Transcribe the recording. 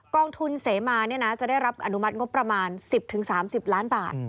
องทุนเสมาจะได้รับอนุมัติงบประมาณ๑๐๓๐ล้านบาท